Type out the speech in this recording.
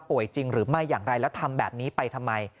จริงหรือไม่อย่างไรแล้วทำแบบนี้ไปทำไม